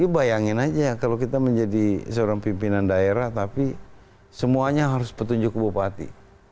bayangin aja kalau kita menjadi seorang pimpinan daerah tapi semuanya harus petunjuk ke bupati